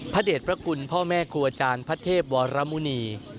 เด็จพระคุณพ่อแม่ครัวอาจารย์พระเทพวรมุณี